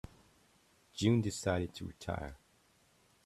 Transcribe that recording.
June decided to retire.